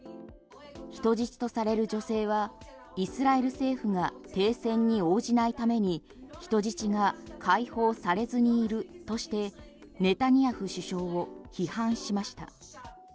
人質とされる女性はイスラエル政府が停戦に応じないために人質が解放されずにいるとしてネタニヤフ首相を批判しました。